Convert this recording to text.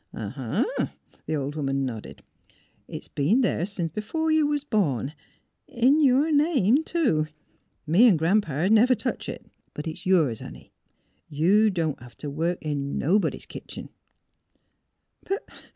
" Uh huh," the old woman nodded. " It's been, there since b'fore you was born, in — in your name, too. Me an' Gran 'pa 'd never touch it. But it's yours, honey. You don't hev t' work in nobody's, kitchen."